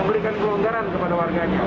memberikan keunggaran kepada warganya